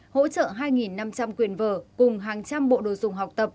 hỗ trợ hai năm trăm linh quyền vở cùng hàng trăm bộ đồ dùng học tập